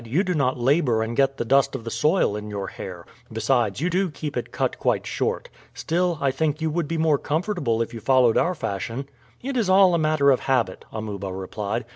"You do not labor and get the dust of the soil in your hair. Besides, you do keep it cut quite short. Still, I think you would be more comfortable if you followed our fashion." "It is all a matter of habit," Amuba replied.